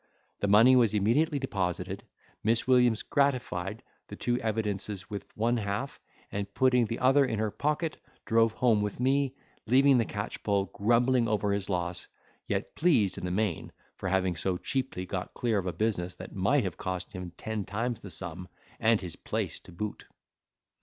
The money was immediately deposited; Miss Williams gratified the two evidences with one half, and putting the other in her pocket drove home with me, leaving the catchpole grumbling over his loss, yet pleased in the main, for having so cheaply got clear of a business that might have cost him ten times the sum, and his place to boot.